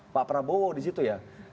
pak prabowo di situ ya